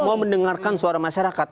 mau mendengarkan suara masyarakat